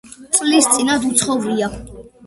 წლის წინათ უცხოვრია.